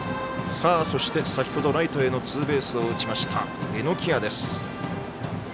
そして先ほどライトへのツーベースを打ちました榎谷です。